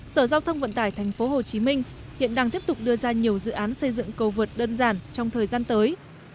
sở giao thông vận tải tp hcm hiện đang tiếp tục đưa ra nhiều dự án xây dựng cầu vượt đơn giản trong thời gian tới